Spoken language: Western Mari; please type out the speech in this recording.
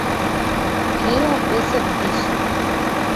кеӓ пӹсӹн пиш.